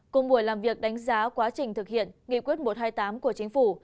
cùng buổi làm việc đánh giá quá trình thực hiện nghị quyết một trăm hai mươi tám của chính phủ